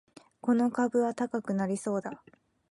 この株は高くなりそうだ